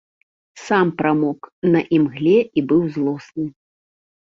Сам прамок на імгле і быў злосны.